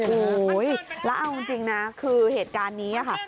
โอ้โหแล้วเอาจริงนะคือเหตุการณ์นี้ค่ะ